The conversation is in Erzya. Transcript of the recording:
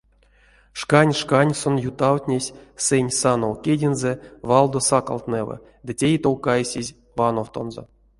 Шкань-шкань сон ютавтнесь сэнь санов кедензэ валдо сакалтнэва ды тей-тов кайсесь вановтонзо.